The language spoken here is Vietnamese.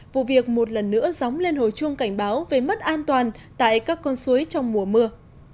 vụ việc một lần nữa dóng lên hồi chuông cảnh báo về mất an toàn tại các con suối trong mùa mưa